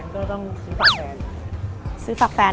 งั้นก็ต้องซื้อฝากแฟน